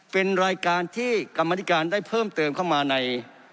เป็นรายการที่กรรมนิการได้เพิ่มเติมเข้ามาใน